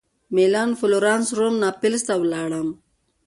مېلان فلورانس روم ناپلز ته ولاړم.